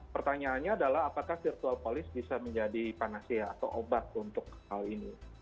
pertanyaannya adalah apakah virtual police bisa menjadi panasia atau obat untuk hal ini